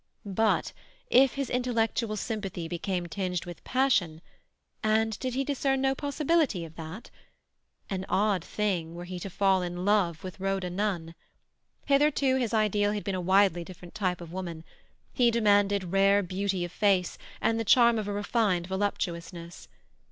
But if his intellectual sympathy became tinged with passion—and did he discern no possibility of that? An odd thing were he to fall in love with Rhoda Nunn. Hitherto his ideal had been a widely different type of woman; he had demanded rare beauty of face, and the charm of a refined voluptuousness.